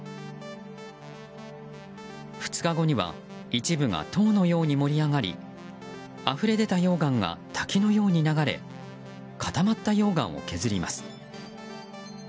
２日後には一部が塔のように盛り上がりあふれ出た溶岩が滝のように流れ固まった溶岩を削ります。